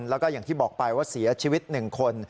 แล้วก็อย่างที่บอกไปว่าเสียชีวิต๑คน